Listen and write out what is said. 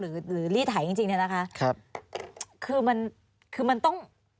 หรือรีดไถอย่างจริง